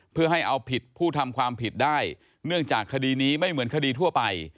เพื่อให้เอาผิดผู้ทำความผิดได้เนื่องจากคดีนี้ไม่เหมือนคดีทั่วไป